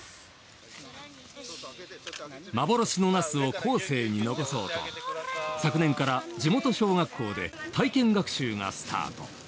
幻のナスを後世に残そうと昨年から地元小学校で体験学習がスタート。